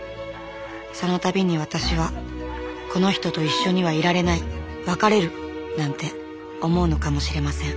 その度に私は「この人と一緒にはいられない別れる！」なんて思うのかもしれません。